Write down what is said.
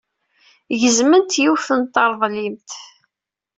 Gezment yiwet n treḍlimt.